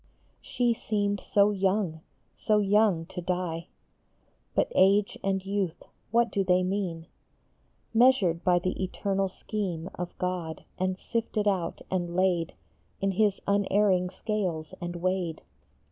" She seemed so young, so young to die ! But age and youth, what do they mean Measured by the eternal scheme Of God, and sifted out and laid In his unerring scales and weighed